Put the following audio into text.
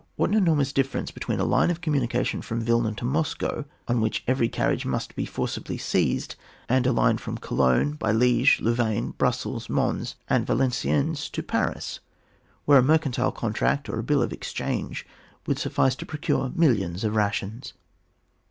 What an enormous difference betweett a line of communication from Wilna to Moscow, on which eveiy carriage must be forcibly seized, and a line from Cologne by Li^ge, Louvain, Brussels, Mons, and Yalenciennes to Paris, where a mercan tile contract or a bill of exchange would suffice to procure millions of rations.